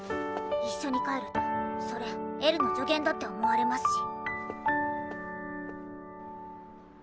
一緒に帰るとそれえるの助言だって思われますし。